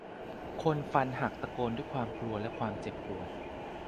คนฟันหักตะโกนด้วยความกลัวและความเจ็บปวด